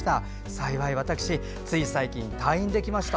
幸い私、つい最近退院できました。